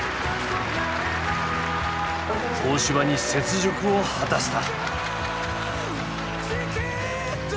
東芝に雪辱を果たした。